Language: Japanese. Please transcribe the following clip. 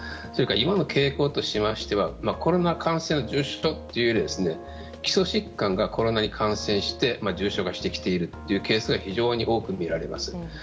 それから今の傾向としてはコロナ感染での重症というよりは基礎疾患がコロナに感染して重症化してきているケースが非常に多く見られます。